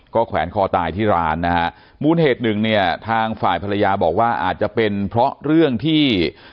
แขวนคอตายที่ร้านนะฮะมูลเหตุหนึ่งเนี่ยทางฝ่ายภรรยาบอกว่าอาจจะเป็นเพราะเรื่องที่